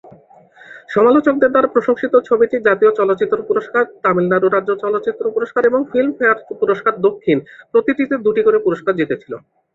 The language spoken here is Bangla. সমালোচকদের দ্বারা প্রশংসিত ছবিটি জাতীয় চলচ্চিত্র পুরস্কার, তামিলনাড়ু রাজ্য চলচ্চিত্র পুরস্কার এবং ফিল্মফেয়ার পুরস্কার দক্ষিণ, প্রতিটিতে দুটি করে পুরস্কার জিতেছিল।